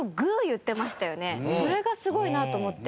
それがすごいなと思って。